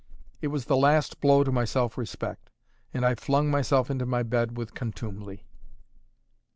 It was the last blow to my self respect; and I flung myself into my bed with contumely.